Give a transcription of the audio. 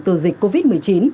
từ dịch covid một mươi chín